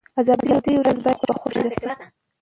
د ازادۍ ورځ بايد په خوښۍ تېره شي.